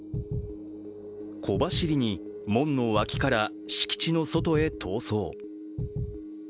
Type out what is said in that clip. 小走りに門の脇から敷地の外へ逃走。